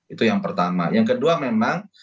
itu yang pertama yang kedua memang